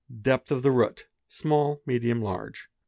—Depth of the root: small, medium, large.